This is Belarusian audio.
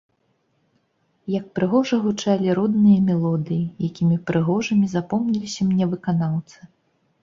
Як прыгожа гучалі родныя мелодыі, якімі прыгожымі запомніліся мне выканаўцы!